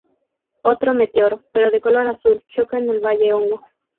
Otro meteoro, pero de color azul choca en el Valle Hongo.